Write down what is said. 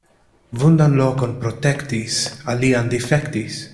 Vundan lokon protektis, alian difektis.